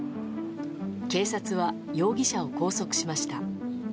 警察は容疑者を拘束しました。